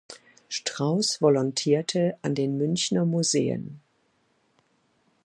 Strauss volontierte an den Münchner Museen.